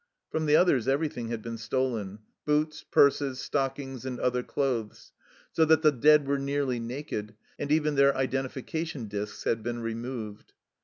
From the others everything had been stolen boots, purses, stockings, and other clothes so that the dead were nearly naked, and even their identifica tion discs had been removed.